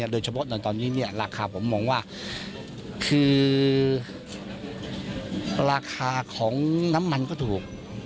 โดยเฉพาะในตอนนี้ราคาผมมองว่าคือราคาของน้ำมันก็ถูก